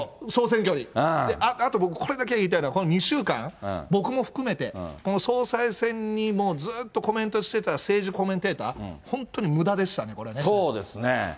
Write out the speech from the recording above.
あと僕、これだけは言いたいのが、この２週間、僕も含めて、この総裁選にもう、ずっとコメントしてた政治コメンテーター、本当にむそうですね。